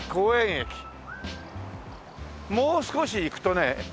もう少し行くとね。